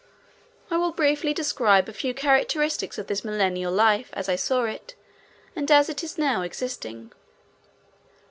] I will briefly describe a few characteristics of this Millennial life as I saw it and as it is now existing.